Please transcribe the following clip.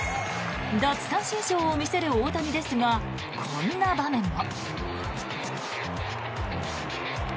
奪三振ショーを見せる大谷ですがこんな場面も。